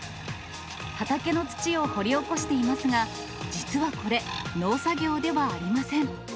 畑の土を掘り起こしていますが、実はこれ、農作業ではありません。